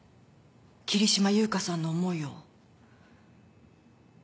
桐島優香さんの思いを。